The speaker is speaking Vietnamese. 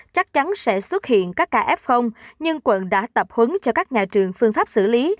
chắc chắn sẽ xuất hiện các ca f nhưng quận đã tập huấn cho các nhà trường phương pháp xử lý